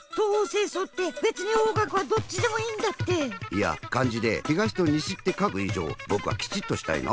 いやかんじで東と西って書くいじょうぼくはきちっとしたいな。